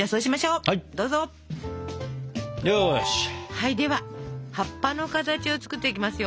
はいでは葉っぱの形を作っていきますよ。